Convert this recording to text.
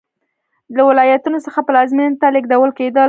له ولایتونو څخه پلازمېنې ته لېږدول کېدل.